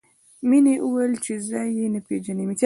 مینې وویل چې ځای یې نه پېژني